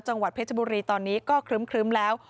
จังหวัดเพชรบุรีตอนนี้ก็ครึ้มแล้ว